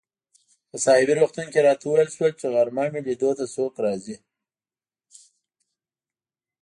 په ساحوي روغتون کې راته وویل شول چي غرمه مې لیدو ته څوک راځي.